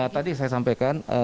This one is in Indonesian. tadi saya sampaikan